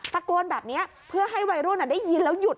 ตะโกนแบบนี้เพื่อให้วัยรุ่นได้ยินแล้วหยุด